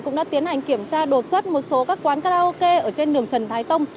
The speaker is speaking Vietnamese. cũng đã tiến hành kiểm tra đột xuất một số các quán karaoke ở trên đường trần thái tông